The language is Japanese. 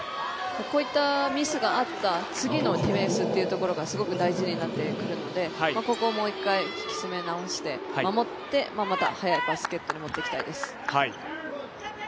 こういったミスがあった次のディフェンスというのがすごく大事になってくるので、ここ、もう一回引き締め直して守ってまた速いバスケットに持っていきたいです。